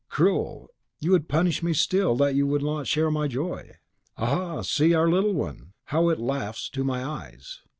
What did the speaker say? Cruel! you would punish me still, that you will not share my joy. Aha! see our little one, how it laughs to my eyes!